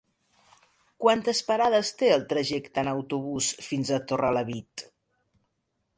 Quantes parades té el trajecte en autobús fins a Torrelavit?